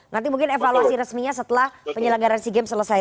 nanti mungkin evaluasi resminya setelah penyelenggaran sea games selesai